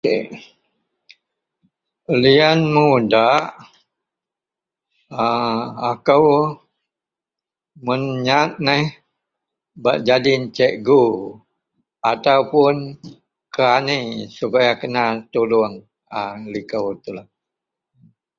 . k.. lian mudak a akou mun nyat neh bak nyadin cikgu ataupun kerani supaya kena tulung a liko telou